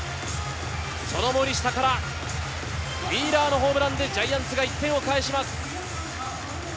その森下からウィーラーのホームランでジャイアンツが１点を返します。